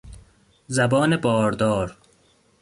زبان باردار